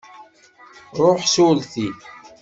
Ruḥ s urti.